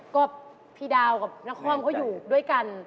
ก็พี่ดาวกับนครเขาอยู่ด้วยกัน